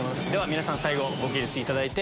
皆さん最後ご起立いただいて。